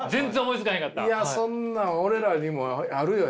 いやそんなん俺らにもあるよ